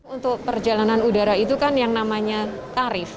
untuk perjalanan udara itu kan yang namanya tarif